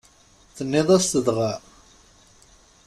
Tenniḍ-as-t dɣa?